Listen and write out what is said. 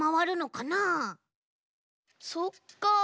そっか。